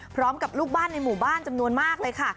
ลูกบ้านในหมู่บ้านจำนวนมากเลยค่ะ